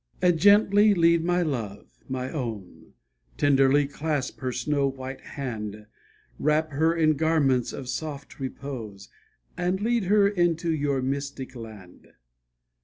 And gently lead my love, my own, Tenderly clasp her snow white hand, Wrap her in garments of soft repose, And lead her into your mystic land.